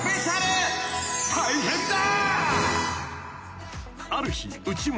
［大変だ］